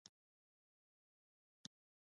زه له خپلي مورني ژبي پښتو سره مينه لرم